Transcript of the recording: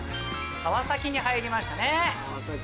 川崎に入りましたね。